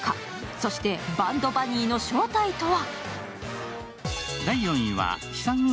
そしてバンドバニーの正体とは。